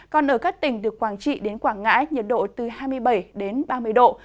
còn ở các tỉnh từ quảng trị đến quảng ngãi nhiệt độ từ hai mươi bảy đến ba mươi độ